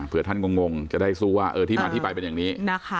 เพื่อท่านงงจะได้สู้ว่าที่มาที่ไปเป็นอย่างนี้